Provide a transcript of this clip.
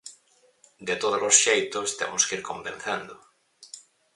De todos os xeitos, temos que ir convencendo.